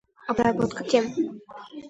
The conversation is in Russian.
Обработка тем